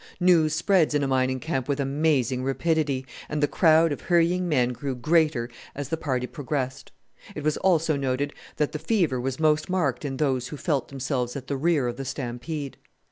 News spreads in a mining camp with amazing rapidity, and the crowd of hurrying men grew greater as the party progressed. It was also noted that the fever was most marked in those who felt themselves at the rear of the stampede.